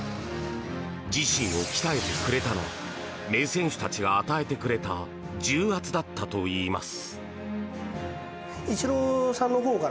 自身を鍛えてくれたのは名選手たちが与えてくれた重圧だったといいます。